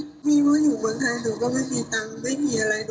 ตอนนี้น้องอยากประสาทอยากกล่าวอะไรถึงสถานทู้ทายนะคะให้ช่วยเหลือหน่อย